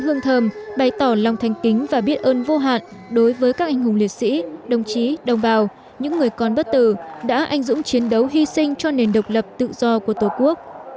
hương thơm bày tỏ lòng thanh kính và biết ơn vô hạn đối với các anh hùng liệt sĩ đồng chí đồng bào những người con bất tử đã anh dũng chiến đấu hy sinh cho nền độc lập tự do của tổ quốc